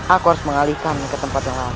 aku harus mengalih kami ke tempat yang lain